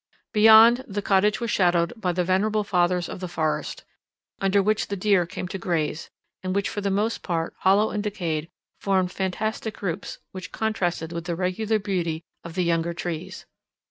Behind, the cottage was shadowed by the venerable fathers of the forest, under which the deer came to graze, and which for the most part hollow and decayed, formed fantastic groups that contrasted with the regular beauty of the younger trees.